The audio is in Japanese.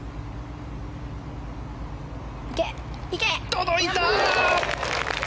届いた！